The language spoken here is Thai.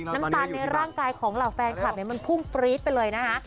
น้ำตาลในร่างกายของเหล่าแฟนคลับเนี่ยมันพุ่งปรี๊ดไปเลยนะคะ